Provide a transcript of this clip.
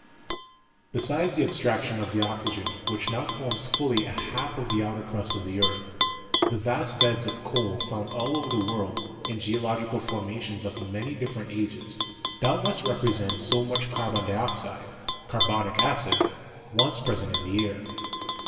Besides the abstrac tion of the oxygen which now forms fully a half of the outer crust of the earth, the vast beds of coal found all over the world, in geological formations of many differ ent ages, doubtless represent so much carbon dioxide (car bonic acid) once present in the air.